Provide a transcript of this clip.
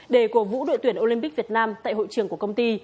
để cổ vũ đội tuyển olympic việt nam tại hội trường của công ty